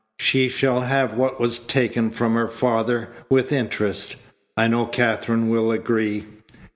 She shall have what was taken from her father, with interest. I know Katherine will agree."